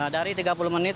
dari tiga puluh menit